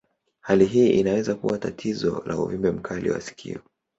Hali hii inaweza kuwa tatizo la uvimbe mkali wa sikio.